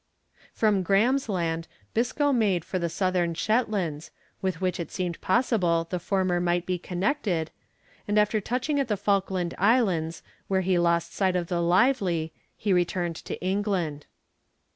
From Graham's Land, Biscoe made for the Southern Shetlands, with which it seemed possible the former might be connected, and after touching at the Falkland Islands, where he lost sight of the Lively, he returned to England.